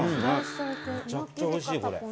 めちゃくちゃおいしい！